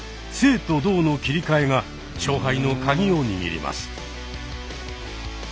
静と動の切り替えが勝敗のカギを握ります。